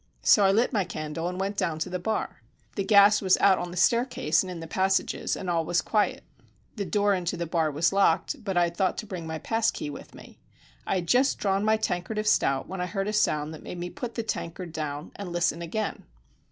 So I lit my candle and went down to the bar. The gas was out on the staircase and in the passages, and all was quiet. The door into the bar was locked, but I had thought to bring my pass key with me. I had just drawn my tankard of stout when I heard a sound that made me put the tankard down and listen again.